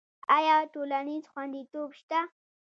آیا ټولنیز خوندیتوب شته؟